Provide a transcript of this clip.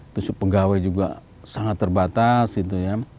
penggawai juga sangat terbatas gitu ya